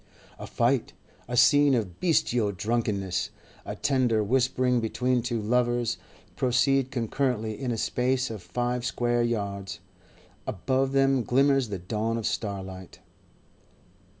A fight, a scene of bestial drunkenness, a tender whispering between two lovers, proceed concurrently in a space of five square yards. Above them glimmers the dawn of starlight.